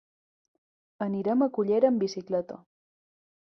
Anirem a Cullera amb bicicleta.